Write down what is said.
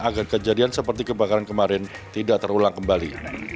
agar kejadian seperti kebakaran kemarin tidak terulang kembali